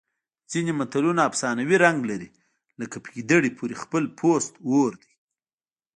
ځینې متلونه افسانوي رنګ لري لکه په ګیدړې پورې خپل پوست اور دی